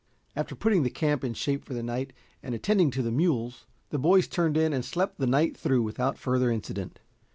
After putting the camp in shape for the night and attending to the mules the boys turned in and slept the night through without further incident.